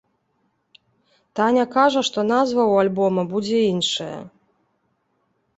Таня кажа, што назва ў альбома будзе іншая.